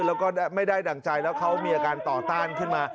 แล้วก็ไม่ได้ดั่งใจแล้วเขามีอาการต่อต้านขึ้นมา